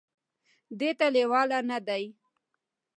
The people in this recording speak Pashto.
دې ته لېواله نه دي ،